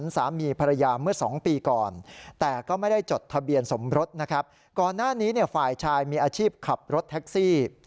สมรสนะครับก่อนหน้านี้เนี่ยฝ่ายชายมีอาชีพขับรถแท็กซี่